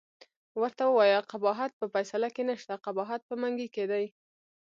ورته ووایه قباحت په فیصله کې نشته، قباحت په منګي کې دی.